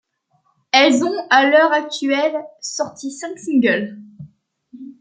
Elles ont à l'heure actuelle sorti cinq singles.